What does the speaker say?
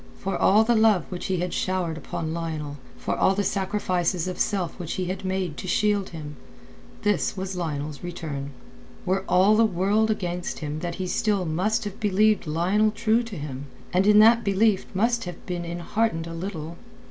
For all the love which he had showered upon Lionel, for all the sacrifices of self which he had made to shield him, this was Lionel's return. Were all the world against him he still must have believed Lionel true to him, and in that belief must have been enheartened a little.